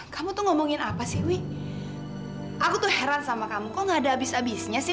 kamu tuh ngomongin apa sih wi aku tuh heran sama kamu kok gak ada habis habisnya sih